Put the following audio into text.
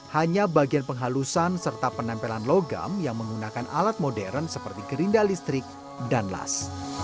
hanya bagian penghalusan serta penempelan logam yang menggunakan alat modern seperti gerinda listrik dan las